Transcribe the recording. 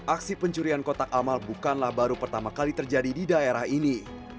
aksi pencurian kotak amal bukanlah baru pertama kali terjadi di daerah ini